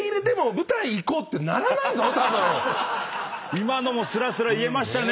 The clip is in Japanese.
今のもすらすら言えましたね。